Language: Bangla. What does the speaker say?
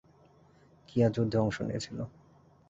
কিয়া যুদ্ধে অংশ নিয়েছিল।